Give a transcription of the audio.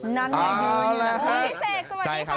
นั่นไงอยู่อยู่นั่นไง